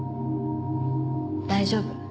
大丈夫。